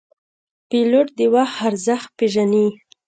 پیلوټ د وخت ارزښت پېژني.